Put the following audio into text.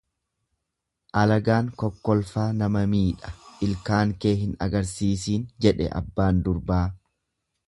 Alagaan kokkolfaa nama miidha ilkaan kee hin agarsisiin jedhe abbaan durbaa.